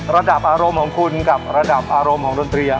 ระดับอารมณ์ของคุณกับระดับอารมณ์ของดนตรี